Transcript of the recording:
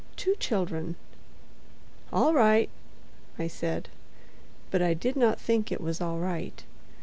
Two children." "All right," I said; but I did not think it was all right.